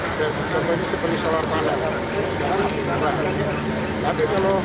tapi kalau pakai fosil makin lama makin banyak